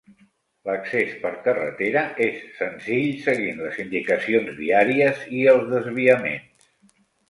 L'accés per carretera és senzill seguint les indicacions viàries i els desviaments.